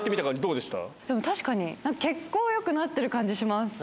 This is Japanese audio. でも、確かに血行はよくなってる感じします。